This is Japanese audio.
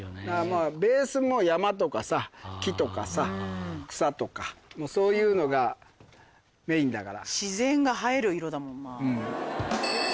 ベースも山とかさ木とかさ草とかもうそういうのがメインだから。